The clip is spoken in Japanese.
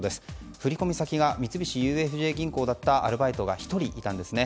振込先が三菱ＵＦＪ銀行だったアルバイトが１人いたんですね。